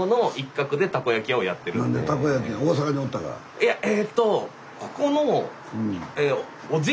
いやえと